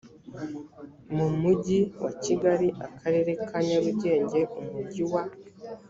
mu mugi wa kigali akarere ka nyarugenge umujyi wa